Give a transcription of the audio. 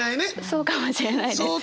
そうかもしれないです。